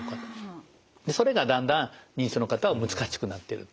それがだんだん認知症の方は難しくなってると。